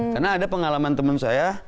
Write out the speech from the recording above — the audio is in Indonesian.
karena ada pengalaman temen saya